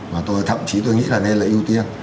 và tôi thậm chí tôi nghĩ là nên là ưu tiên